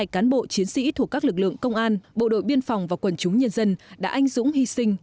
hai mươi cán bộ chiến sĩ thuộc các lực lượng công an bộ đội biên phòng và quần chúng nhân dân đã anh dũng hy sinh